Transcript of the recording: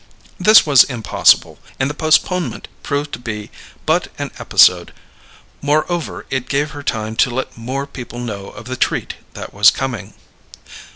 This was impossible, and the postponement proved to be but an episode; moreover, it gave her time to let more people know of the treat that was coming.